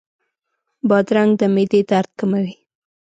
بادرنګ د معدې درد کموي.